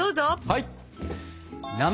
はい！